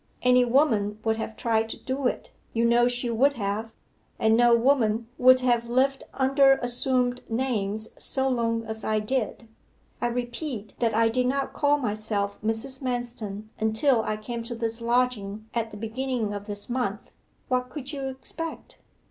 Any woman would have tried to do it you know she would have. And no woman would have lived under assumed names so long as I did. I repeat that I did not call myself Mrs. Manston until I came to this lodging at the beginning of this month what could you expect?